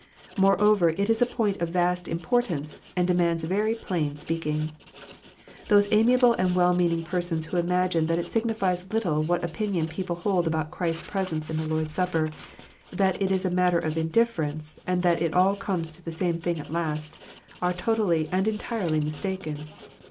Moreover, it is a point of vast importance, and demands very plain speaking. Those amiable and well meaning persons who imagine that it signifies little what opinion people hold about Christ s presence in the Lord s Supper, that it is a matter of indifference, and that it all comes to the same thing at last, are totally and entirely mistaken.